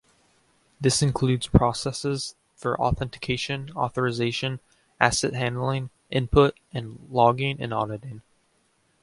This includes processes for authentication, authorization, asset handling, input, and logging and auditing.